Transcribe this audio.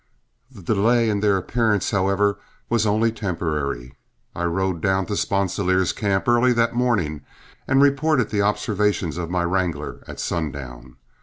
The delay in their appearance, however, was only temporary. I rode down to Sponsilier's camp early that morning and reported the observations of my wrangler at sundown.